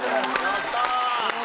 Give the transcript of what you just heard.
やったー！